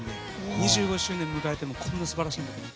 ２５周年を迎えてもこんな素晴らしいんだと。